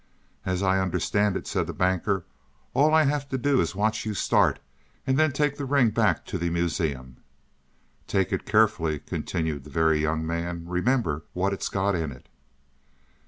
"As I understand it," said the Banker, "all I have to do is watch you start, and then take the ring back to the Museum." "Take it carefully," continued the Very Young Man. "Remember what it's got in it."